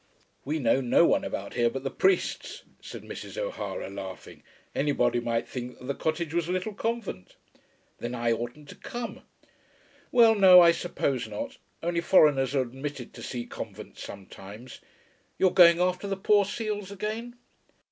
"We know no one about here but the priests," said Mrs. O'Hara, laughing. "Anybody might think that the cottage was a little convent." "Then I oughtn't to come." "Well, no, I suppose not. Only foreigners are admitted to see convents sometimes. You're going after the poor seals again?"